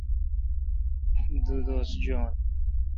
دو دوس جواین۔